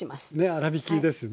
粗びきですね。